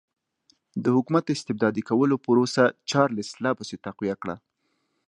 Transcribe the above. د حکومت استبدادي کولو پروسه چارلېس لا پسې تقویه کړه.